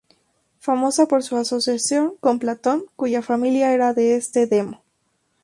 Famosa por su asociación con Platón, cuya familia era de este "demo".